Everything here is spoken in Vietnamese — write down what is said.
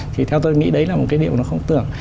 thì theo tôi nghĩ đấy là một cái điều nó không tưởng